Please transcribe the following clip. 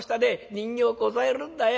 人形こさえるんだよ。